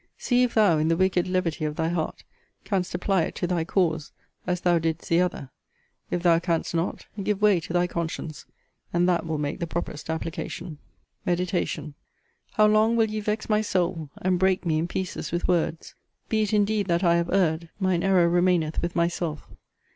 See if thou, in the wicked levity of thy heart, canst apply it to thy cause, as thou didst the other. If thou canst not, give way to thy conscience, and that will make the properest application. MEDITATION How long will ye vex my soul, and break me in pieces with words! Be it indeed that I have erred, mine error remaineth with myself.